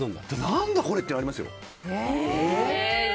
何だこれってのありますよ。